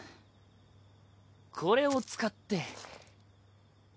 これを使って。